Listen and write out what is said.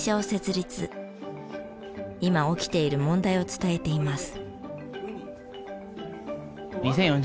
今起きている問題を伝えています。